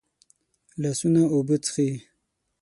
لاسونه اوبه څښي